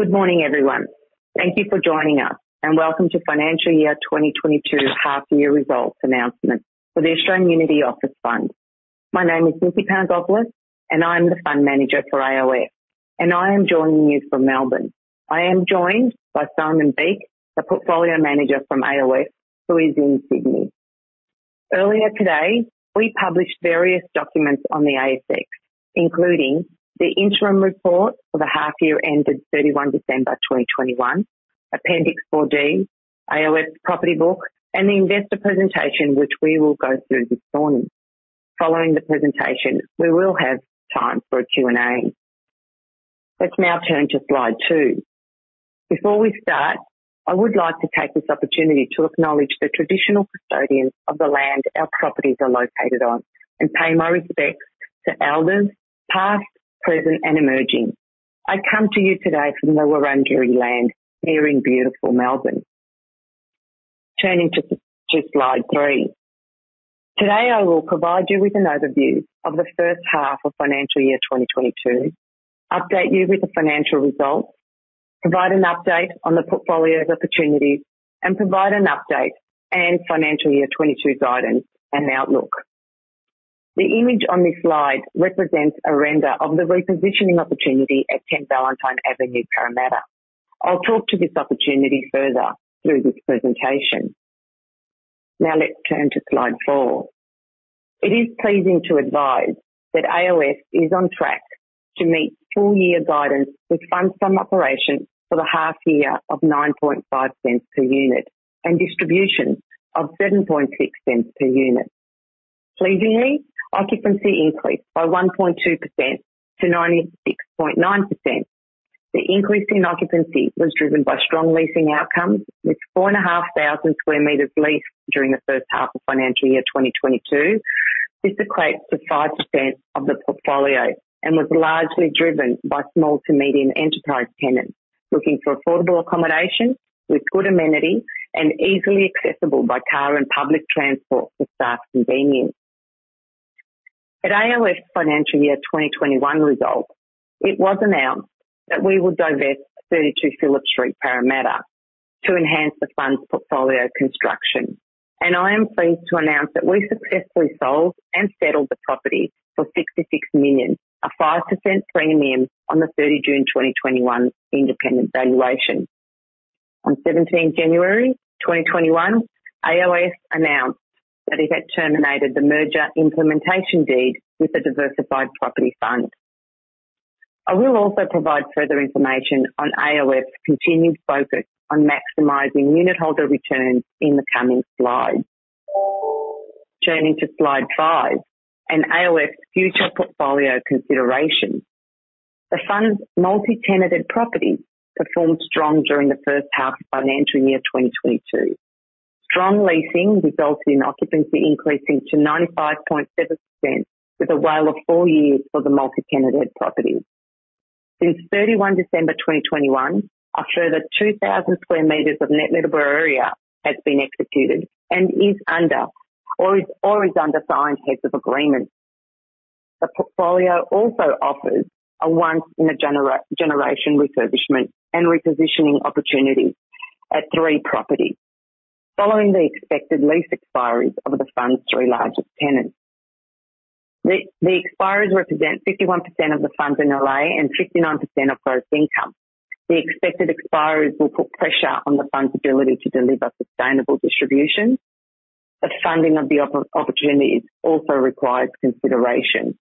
Good morning, everyone. Thank you for joining us and welcome to financial year 2022 half year results announcement for the Australian Unity Office Fund. My name is Nikki Panagopoulos, and I'm the Fund Manager for AOF, and I am joining you from Melbourne. I am joined by Simon Beake, the Portfolio Manager from AOF, who is in Sydney. Earlier today, we published various documents on the ASX, including the interim report for the half year ended 31 December 2021, Appendix 4D, AOF's property book, and the investor presentation which we will go through this morning. Following the presentation, we will have time for a Q&A. Let's now turn to slide two. Before we start, I would like to take this opportunity to acknowledge the traditional custodians of the land our properties are located on and pay my respects to elders past, present, and emerging. I come to you today from the Wurundjeri land here in beautiful Melbourne. Turning to slide three. Today, I will provide you with an overview of the first half of financial year 2022, update you with the financial results, provide an update on the portfolio's opportunities, and provide an update on financial year 2022 guidance and outlook. The image on this slide represents a render of the repositioning opportunity at 10 Valentine Avenue, Parramatta. I'll talk to this opportunity further through this presentation. Now let's turn to slide four. It is pleasing to advise that AOF is on track to meet full year guidance with funds from operation for the half year of 0.095 per unit and distribution of 0.076 per unit. Pleasingly, occupancy increased by 1.2% to 96.9%. The increase in occupancy was driven by strong leasing outcomes, with 4,500 sq m leased during the first half of financial year 2022. This equates to 5% of the portfolio and was largely driven by small to medium enterprise tenants looking for affordable accommodation with good amenity and easily accessible by car and public transport for staff convenience. At AOF's financial year 2021 results, it was announced that we would divest 32 Phillips Street, Parramatta to enhance the fund's portfolio construction, and I am pleased to announce that we successfully sold and settled the property for AUD 66 million, a 5% premium on the 30 June 2021 independent valuation. On 17 January 2021, AOF announced that it had terminated the merger implementation deed with the diversified property fund. I will also provide further information on AOF's continued focus on maximizing unitholder returns in the coming slides. Turning to slide five, AOF's future portfolio considerations. The fund's multi-tenanted property performed strong during the first half of financial year 2022. Strong leasing resulted in occupancy increasing to 95.7% with a WALE of four years for the multi-tenanted property. Since 31 December 2021, a further 2,000 sq m of net lettable area has been executed and is under signed heads of agreement. The portfolio also offers a once in a generation refurbishment and repositioning opportunity at three properties following the expected lease expiry of the fund's three largest tenants. The expiry represent 51% of the fund's NLA and 59% of gross income. The expected expiry will put pressure on the fund's ability to deliver sustainable distributions. The funding of the opportunities also requires consideration.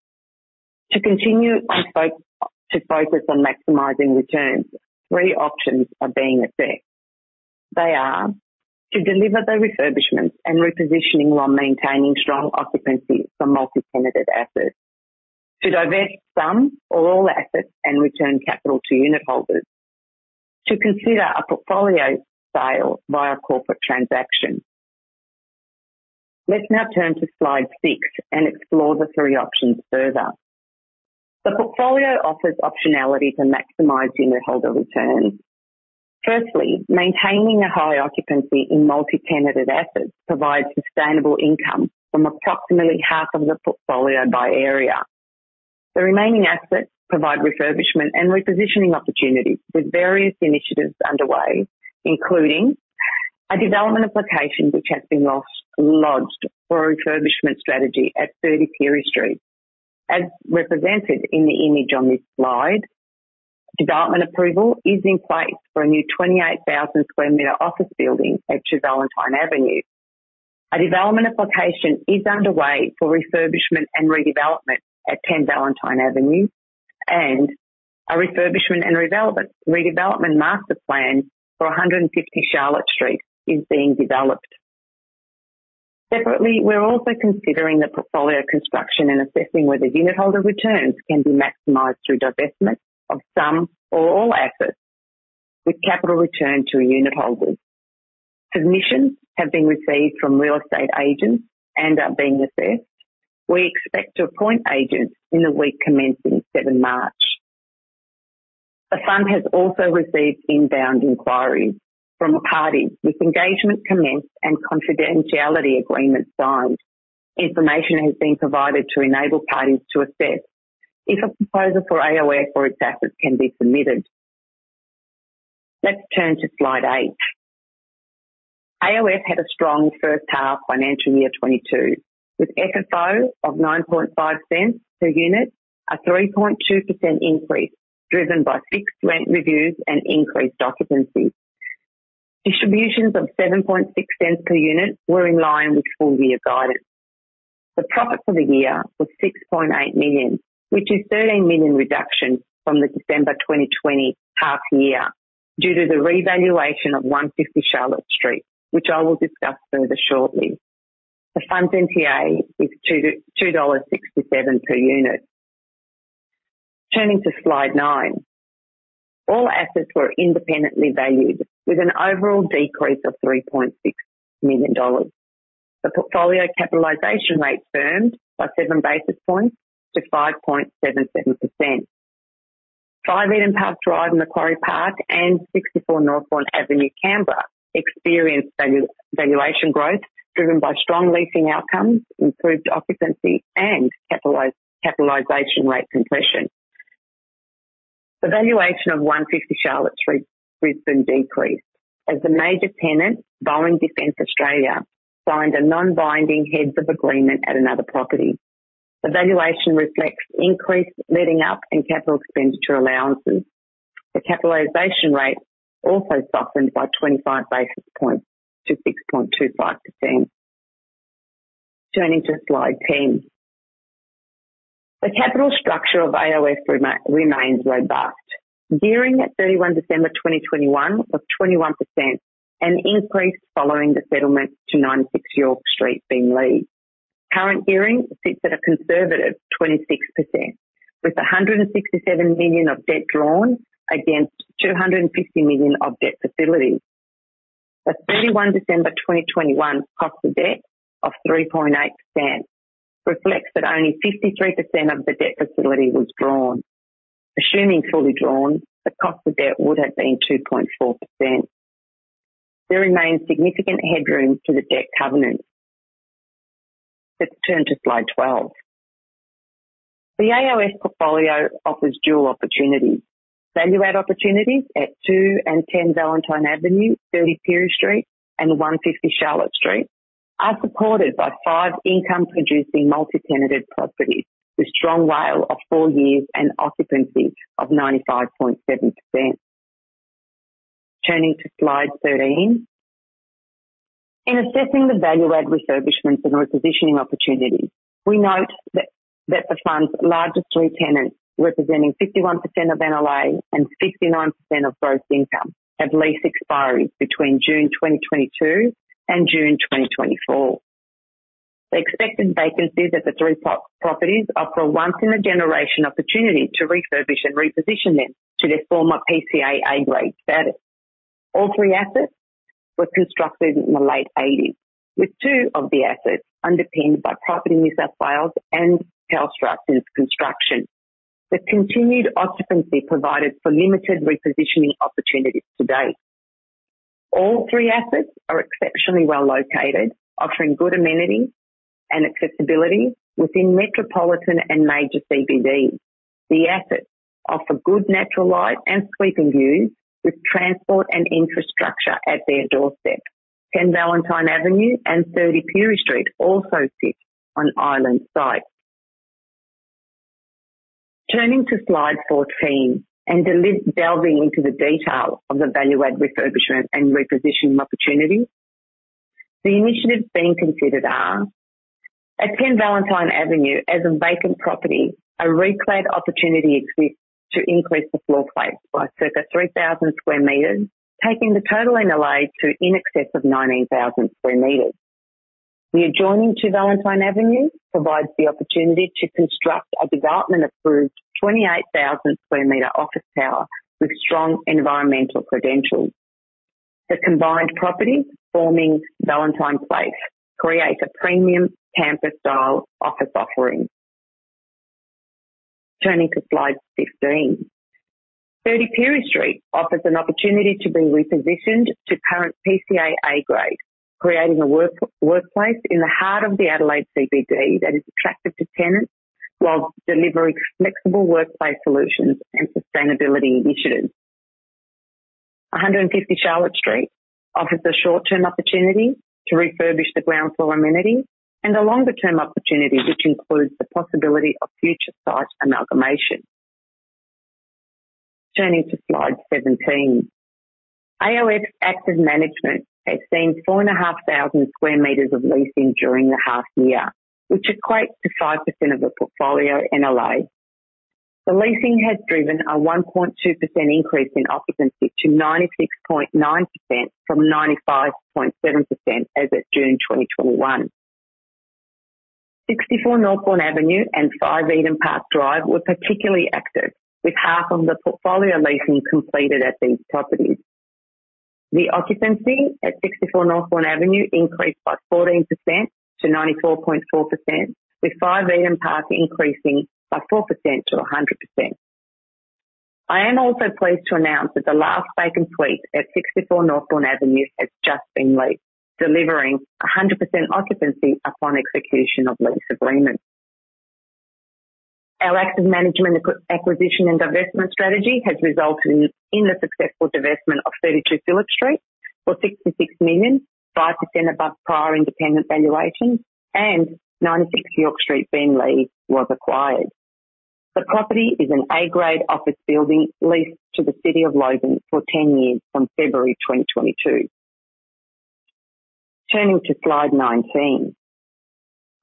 To continue on to focus on maximizing returns, three options are being assessed. They are to deliver the refurbishments and repositioning while maintaining strong occupancy for multi-tenanted assets. To divest some or all assets and return capital to unitholders. To consider a portfolio sale via corporate transaction. Let's now turn to slide six and explore the three options further. The portfolio offers optionality for maximizing unitholder returns. Firstly, maintaining a high occupancy in multi-tenanted assets provides sustainable income from approximately half of the portfolio by area. The remaining assets provide refurbishment and repositioning opportunities with various initiatives underway, including a development application which has been lodged for a refurbishment strategy at 30 Pirie Street. As represented in the image on this slide, development approval is in place for a new 28,000 sq m office building at 10 Valentine Avenue. A development application is underway for refurbishment and redevelopment at 10 Valentine Avenue, and a refurbishment and redevelopment master plan for 150 Charlotte Street is being developed. Separately, we're also considering the portfolio construction and assessing whether unitholder returns can be maximized through divestment of some or all assets with capital return to unitholders. Submissions have been received from real estate agents and are being assessed. We expect to appoint agents in the week commencing 7 March. The fund has also received inbound inquiries from a party with engagement commenced and confidentiality agreement signed. Information has been provided to enable parties to assess if a proposal for AOF or its assets can be submitted. Let's turn to slide eight. AOF had a strong first half financial year 2022, with FFO of 0.095 per unit, a 3.2% increase driven by fixed rent reviews and increased occupancy. Distributions of 0.076 per unit were in line with full year guidance. The profit for the year was 6.8 million, which is thirteen million reduction from the December 2020 half year due to the revaluation of 150 Charlotte Street, which I will discuss further shortly. The fund's NPA is 2.67 dollars per unit. Turning to slide nine. All assets were independently valued with an overall decrease of 3.6 million dollars. The portfolio capitalization rate firmed by 7 basis points to 5.77%. 5 Eden Park Drive in Macquarie Park and 64 Northbourne Avenue, Canberra, experienced valuation growth driven by strong leasing outcomes, improved occupancy and capitalization rate compression. The valuation of 150 Charlotte Street, Brisbane decreased as the major tenant, Boeing Defence Australia, signed a non-binding heads of agreement at another property. The valuation reflects increased letting up and capital expenditure allowances. The capitalization rate also softened by 25 basis points to 6.25%. Turning to slide 10. The capital structure of AOF remains robust. Gearing at 31 December 2021 was 21%, an increase following the settlement of 96 York Street, Beenleigh. Current gearing sits at a conservative 26%, with 167 million of debt drawn against 250 million of debt facilities. The 31 December 2021 cost of debt of 3.8% reflects that only 53% of the debt facility was drawn. Assuming fully drawn, the cost of debt would have been 2.4%. There remains significant headroom to the debt covenant. Let's turn to slide 12. The AOF portfolio offers dual opportunities. Value add opportunities at 2-10 Valentine Avenue, 30 Pirie Street, and 150 Charlotte Street are supported by five income-producing multi-tenanted properties with strong WALE of four years and occupancy of 95.7%. Turning to slide 13. In assessing the value add refurbishments and repositioning opportunities, we note that the Fund's largest three tenants, representing 51% of NLA and 69% of gross income, have lease expiry between June 2022 and June 2024. The expected vacancies at the three pro-properties offer a once in a generation opportunity to refurbish and reposition them to their former PCA A-grade status. All three assets were constructed in the late 1980s, with two of the assets underpinned by Property New South Wales and Telstra since construction. The continued occupancy provided for limited repositioning opportunities to date. All three assets are exceptionally well located, offering good amenities and accessibility within metropolitan and major CBDs. The assets offer good natural light and sweeping views with transport and infrastructure at their doorstep. 10 Valentine Avenue and 30 Pirie Street also sit on island sites. Turning to slide 14 and delving into the detail of the value add refurbishment and repositioning opportunities. The initiatives being considered are. At 10 Valentine Avenue, as a vacant property, a re-leased opportunity exists to increase the floor plate by circa 3,000 sq m, taking the total NLA to in excess of 19,000 sq m. The adjoining property to Valentine Avenue provides the opportunity to construct a development-approved 28,000 sq m office tower with strong environmental credentials. The combined property, forming Valentine Place, creates a premium campus-style office offering. Turning to slide 15. 30 Pirie Street offers an opportunity to be repositioned to current PCAA grade, creating a workplace in the heart of the Adelaide CBD that is attractive to tenants while delivering flexible workplace solutions and sustainability initiatives. 150 Charlotte Street offers a short-term opportunity to refurbish the ground floor amenities and a longer-term opportunity which includes the possibility of future site amalgamation. Turning to slide 17. AOF active management has seen 4,500 sq m of leasing during the half year, which equates to 5% of the portfolio NLA. The leasing has driven a 1.2% increase in occupancy to 96.9% from 95.7% as at June 2021. 64 Northbourne Avenue and 5 Eden Park Drive were particularly active, with half of the portfolio leasing completed at these properties. The occupancy at 64 Northbourne Avenue increased by 14% to 94.4%, with 5 Eden Park increasing by 4% to 100%. I am also pleased to announce that the last vacant suite at 64 Northbourne Avenue has just been leased, delivering 100% occupancy upon execution of lease agreement. Our active management acquisition and divestment strategy has resulted in the successful divestment of 32 Phillips Street for 66 million, 5% above prior independent valuations and 96 York Street, Beenleigh was acquired. The property is an A-grade office building leased to the City of Logan for 10 years from February 2022. Turning to slide 19.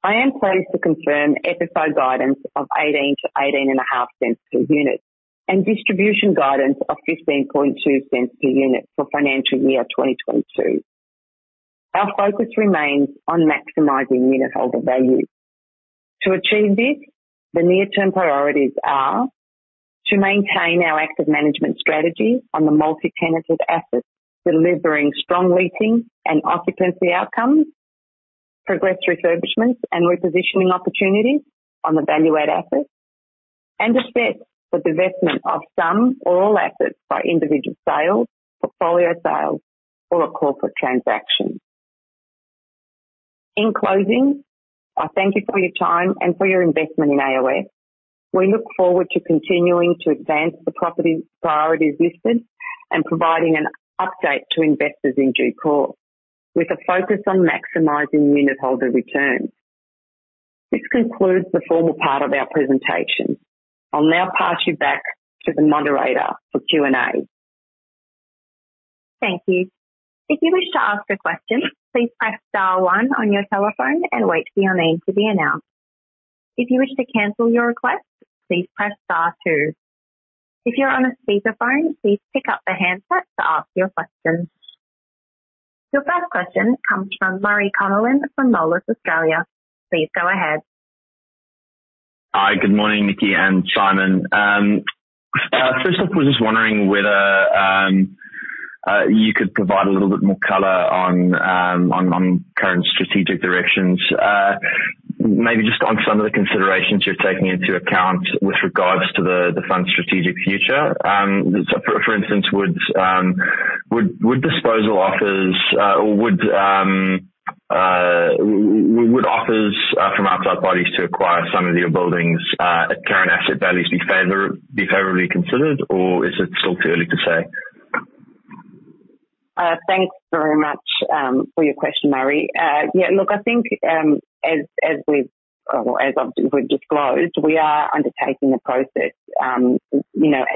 I am pleased to confirm FFO guidance of 0.18-0.185 per unit and distribution guidance of 0.152 per unit for financial year 2022. Our focus remains on maximizing unitholder value. To achieve this, the near-term priorities are to maintain our active management strategy on the multi-tenanted assets, delivering strong leasing and occupancy outcomes, progress refurbishments and repositioning opportunities on the value-add assets, and assess the divestment of some or all assets by individual sales, portfolio sales, or a corporate transaction. In closing, I thank you for your time and for your investment in AOF. We look forward to continuing to advance the property's priority business and providing an update to investors in due course with a focus on maximizing unitholder returns. This concludes the formal part of our presentation. I'll now pass you back to the moderator for Q&A. Thank you. If you wish to ask a question, please press star one on your telephone and wait for your name to be announced. If you wish to cancel your request, please press star two. If you're on a speakerphone, please pick up the handset to ask your question. Your first question comes from Murray Connellan from Moelis Australia. Please go ahead. Hi. Good morning, Nikki and Simon. First off, was just wondering whether you could provide a little bit more color on current strategic directions. Maybe just on some of the considerations you're taking into account with regards to the fund's strategic future. For instance, would disposal offers or offers from outside parties to acquire some of your buildings at current asset values be favorably considered, or is it still too early to say? Thanks very much for your question, Murray. Yeah, look, I think as we've disclosed, we are undertaking the process and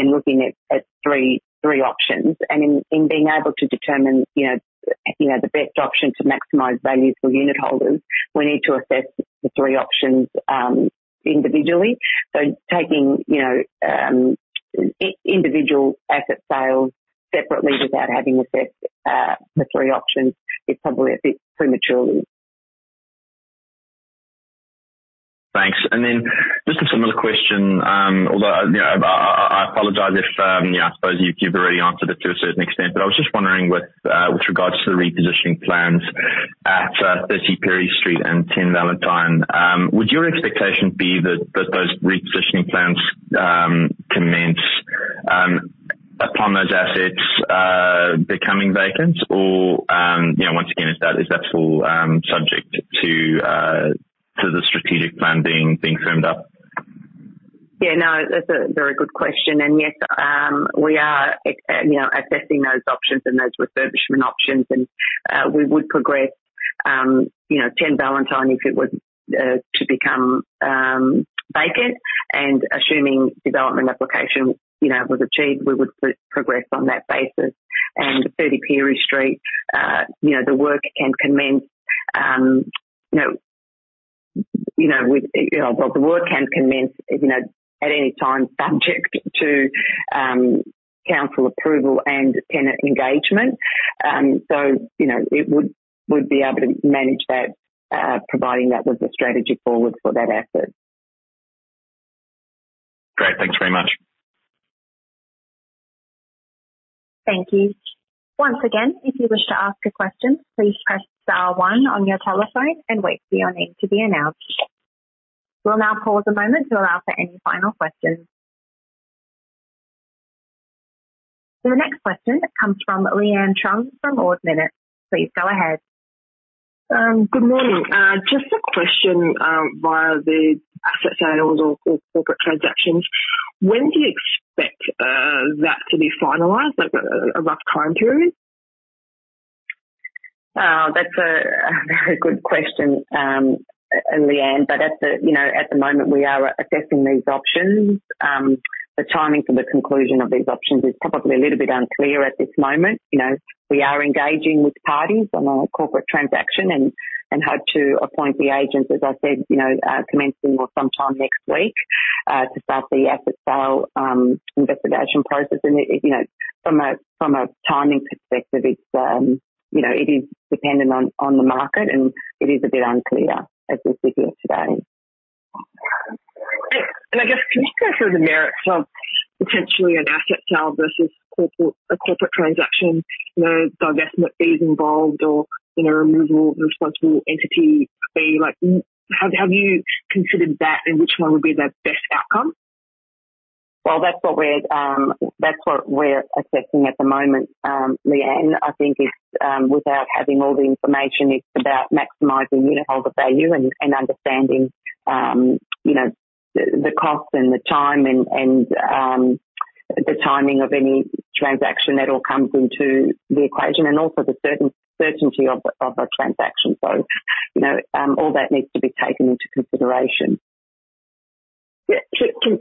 looking at three options. In being able to determine you know the best option to maximize value for unitholders, we need to assess the three options individually. Taking you know individual asset sales separately without having assessed the three options is probably a bit premature. Thanks. Just a similar question, although, you know, I apologize if, yeah, I suppose you've already answered it to a certain extent, but I was just wondering with regards to the repositioning plans at 30 Pirie Street and 10 Valentine, would your expectation be that those repositioning plans commence upon those assets becoming vacant or, you know, once again, is that all subject to the strategic plan being firmed up? Yeah, no, that's a very good question. Yes, we are, you know, assessing those options and those refurbishment options and we would progress, you know, 10 Valentine if it was to become vacant and assuming development application, you know, was achieved, we would progress on that basis. 30 Pirie Street, you know, the work can commence, you know, at any time subject to council approval and tenant engagement. You know, we'd be able to manage that providing that was the strategy forward for that asset. Great. Thanks very much. Thank you. Once again, if you wish to ask a question, please press star one on your telephone and wait for your name to be announced. We'll now pause a moment to allow for any final questions. The next question comes from Leanne Truong from Ord Minnett. Please go ahead. Good morning. Just a question via the asset sales or corporate transactions. When do you expect that to be finalized? Like, a rough time period? That's a very good question, Leanne, but at the moment we are assessing these options. The timing for the conclusion of these options is probably a little bit unclear at this moment. You know, we are engaging with parties on a corporate transaction and hope to appoint the agent, as I said, you know, commencing or sometime next week to start the asset sale investigation process. You know, from a timing perspective, it is dependent on the market, and it is a bit unclear as we sit here today. Yeah. I guess can you go through the merits of potentially an asset sale versus a corporate transaction, you know, divestment fees involved or, you know, removal of responsible entity fee. Like, have you considered that, and which one would be the best outcome? Well, that's what we're assessing at the moment, Leanne. I think it's, without having all the information, it's about maximizing unitholder value and understanding, you know, the cost and the time and the timing of any transaction that all comes into the equation and also the certainty of a transaction. You know, all that needs to be taken into consideration.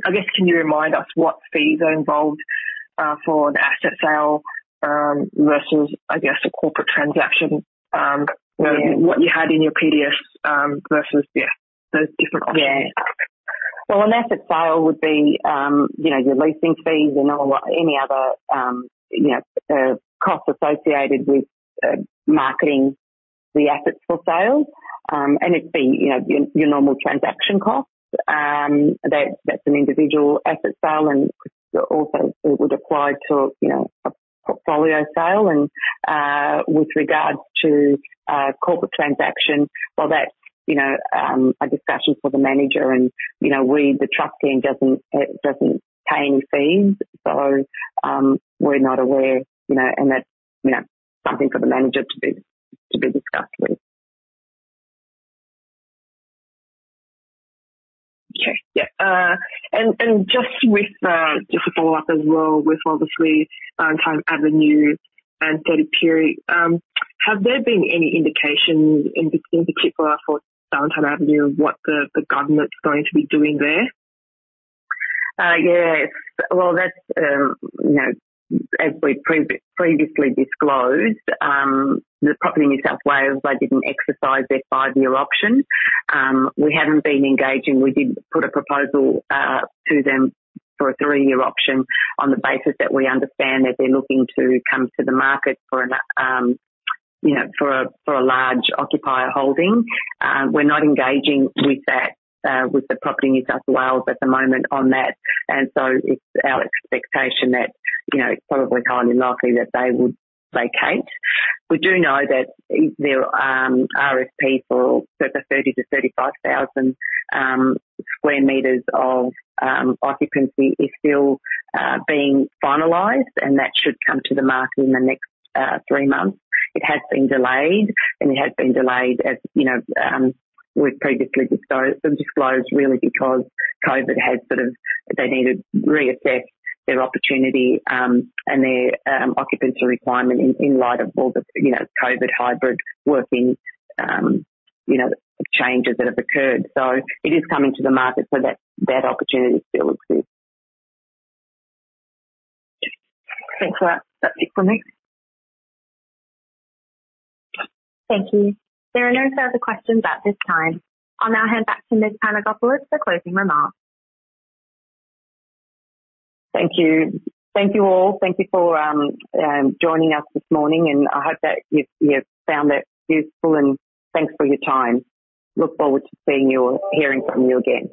I guess, can you remind us what fees are involved for an asset sale versus, I guess, a corporate transaction? You know, what you had in your PDS versus those different costs. Yeah. Well, an asset sale would be, you know, your leasing fees and all, any other, you know, costs associated with marketing the assets for sale. It'd be, you know, your normal transaction costs, that's an individual asset sale and also it would apply to, you know, a portfolio sale and, with regards to a corporate transaction, well, that's, you know, a discussion for the manager and, you know, we, the trust team doesn't pay any fees. We're not aware, you know, and that's, you know, something for the manager to be discussed with. Okay. Yeah. Just to follow up as well with obviously, 10 Valentine Avenue and 30 Pirie, have there been any indications in between, particularly for 10 Valentine Avenue, of what the government's going to be doing there? Yes. Well, that's, you know, as we previously disclosed, the Property New South Wales, they didn't exercise their five-year option. We haven't been engaging. We did put a proposal to them for a three-year option on the basis that we understand that they're looking to come to the market for a large occupier holding. We're not engaging with that, with the Property New South Wales at the moment on that. It's our expectation that, you know, it's probably highly likely that they would vacate. We do know that their RFP for the 30,000 sq m-35,000 sq m of occupancy is still being finalized and that should come to the market in the next three months. It has been delayed, as you know, we've previously disclosed, really because COVID has sort of they needed to reassess their opportunity and their occupancy requirement in light of all the, you know, COVID hybrid working, you know, changes that have occurred. It is coming to the market, so that opportunity still exists. Thanks for that. That's it from me. Thank you. There are no further questions at this time. I'll now hand back to Ms. Panagopoulos for closing remarks. Thank you. Thank you all. Thank you for joining us this morning, and I hope that you found it useful and thanks for your time. I look forward to seeing you or hearing from you again.